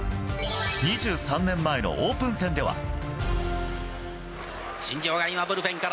２３年前のオープン戦では。